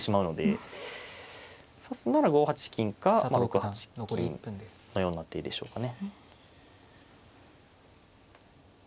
指すなら５八金か６八金のような手でしょうかね。